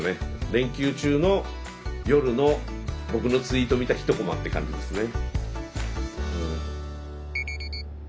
連休中の夜の僕のツイート見た１コマって感じですね。